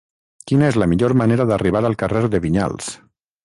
Quina és la millor manera d'arribar al carrer de Vinyals?